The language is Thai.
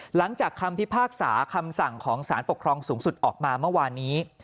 หลังจากคำพิพากษาคำสั่งของสารปกครองสูงสุดออกมาเมื่อวานนี้